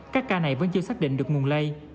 các ca này vẫn chưa xác định được nguồn lây